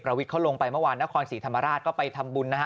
วิทย์เขาลงไปเมื่อวานนครศรีธรรมราชก็ไปทำบุญนะฮะ